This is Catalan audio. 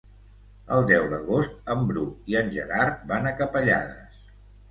El deu d'agost en Bru i en Gerard van a Capellades.